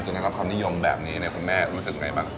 ได้รับความนิยมแบบนี้คุณแม่รู้สึกไงบ้าง